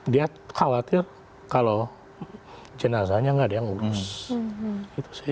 dia khawatir kalau jenazahnya nggak ada yang urus